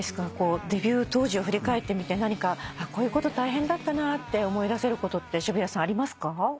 デビュー当時を振り返ってみて何かこういうこと大変だったなって思い出せることって渋谷さんありますか？